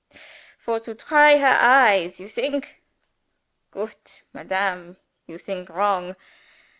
For to try her eyes you think? Goot Madam, you think wrong!